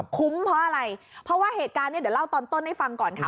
เพราะอะไรเพราะว่าเหตุการณ์นี้เดี๋ยวเล่าตอนต้นให้ฟังก่อนค่ะ